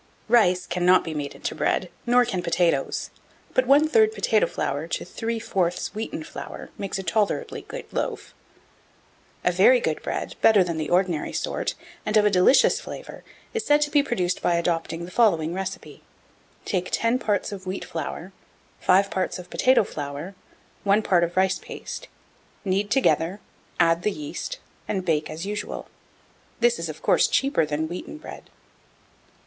1687. Rice cannot be made into bread, nor can potatoes; but one third potato flour to three fourths wheaten flour makes a tolerably good loaf. 1688. A very good bread, better than the ordinary sort, and of a delicious flavour, is said to be produced by adopting the following recipe: Take ten parts of wheat flour, five parts of potato flour, one part of rice paste; knead together, add the yeast, and bake as usual. This is, of course, cheaper than wheaten bread.